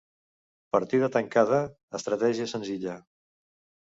Partida tancada, estratègia senzilla.